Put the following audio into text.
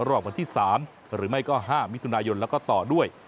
รอบวันที่๓หรือไม่ก็๕มิถุนายนแล้วก็ต่อด้วย